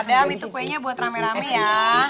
adam itu kuenya buat rame rame ya